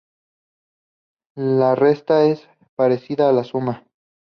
La resta es parecida a la suma.